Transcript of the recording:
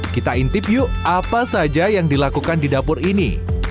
kita intip yuk apa saja yang dilakukan di dapur ini